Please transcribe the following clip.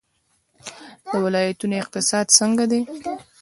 د ولایتونو اقتصاد څنګه دی؟